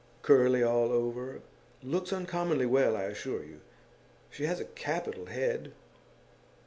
Curly all over. Looks uncommonly well, I assure you. She has a capital head.